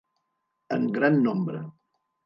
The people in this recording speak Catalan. En gran nombre.